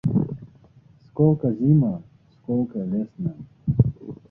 — Skolko zima, skolko vesna!